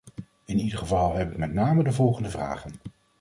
In ieder geval heb ik met name de volgende vragen.